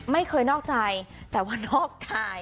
ไม่เคยนอกใจแต่ว่านอกกาย